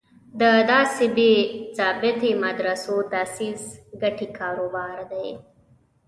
د داسې بې ضابطې مدرسو تاسیس ګټې کار و بار دی.